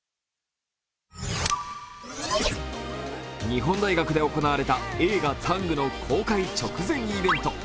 日本大学で行われた映画「ＴＡＮＧ」の公開直前イベント。